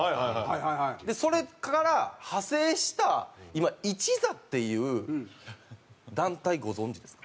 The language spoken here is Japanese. でそれから派生した今「一座」っていう団体ご存じですか？